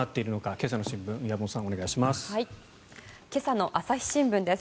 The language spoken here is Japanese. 今朝の朝日新聞です。